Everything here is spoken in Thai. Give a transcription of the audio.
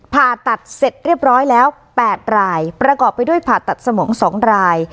ผ่าตัดเสร็จเรียบร้อยแล้ว๘รายประกอบไปด้วยผ่าตัดสมอง๒ราย